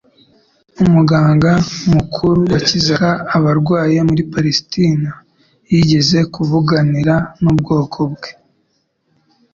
Umuganga mukuru wakizaga abarwayi muri Palestina yigeze kuvuganira n'ubwoko bwe